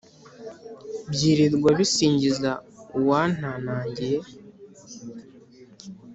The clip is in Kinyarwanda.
Byilirwa bisingiza uwantanagiye.